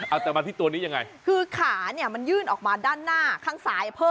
เอาแต่มาที่ตัวนี้ยังไงคืออยู่ยืนออกมาด้านหน้าข้างซ้ายเพิ่มอีกดัน